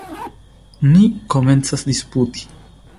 Ni komencas disputi.